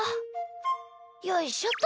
よいしょっと！